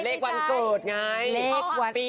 เลขวันเกิดไง